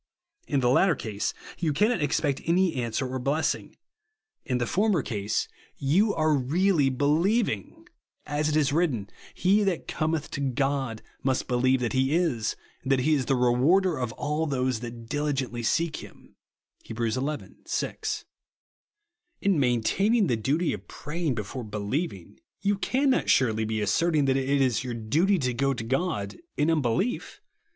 In the latter case, you cannot expect any answer or blessing. In the former case, you are really heliev TRUTH OF THE GOSPEL. J^o ing ; as it is written, " He that cometli to God must believe that lie is, and that he is the rewarder of all those that diligently seek him," (Heb. xi. 6). In maintaining the duty of praying before believing, you cannot surely be asserting that it is your duty to go to God in unbelief